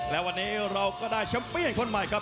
และวันนี้เราก็ได้แชมป์เปียนคนใหม่ครับ